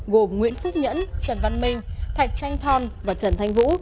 gồm nguyễn phúc nhẫn trần văn minh thạch tranh thon và trần thanh vũ